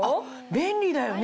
便利だよね